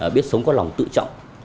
không có lòng tự trọng